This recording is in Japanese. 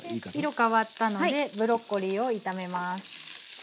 色変わったのでブロッコリーを炒めます。